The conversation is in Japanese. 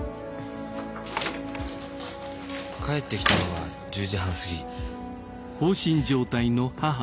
帰ってきたのは１０時半過ぎ。